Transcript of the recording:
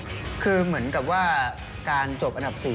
ก็คือคุณอันนบสิงต์โตทองนะครับ